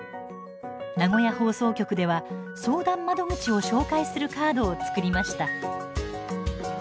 名古屋放送局では相談窓口を紹介するカードを作りました。